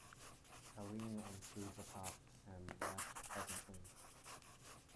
Helene unscrewed the top and laughed pleasantly.